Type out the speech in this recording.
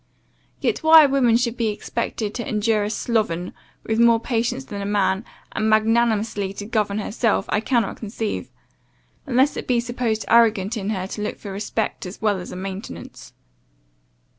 Yet why a woman should be expected to endure a sloven, with more patience than a man, and magnanimously to govern herself, I cannot conceive; unless it be supposed arrogant in her to look for respect as well as a maintenance.